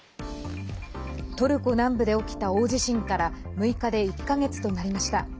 トルコ南部で起きた大地震から６日で１か月となりました。